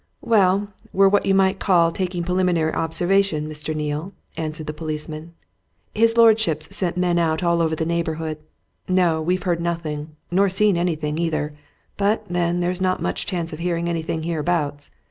"Well, we're what you might call taking a preliminary observation, Mr. Neale," answered the policeman. "His lordship's sent men out all over the neighbourhood. No, we've heard nothing, nor seen anything, either. But, then, there's not much chance of hearing anything hereabouts.